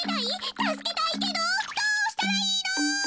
たすけたいけどどうしたらいいの？